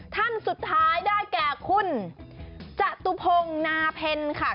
ท่านสุดท้ายได้แก่คุณจตุพงศ์นาเพ็ญค่ะ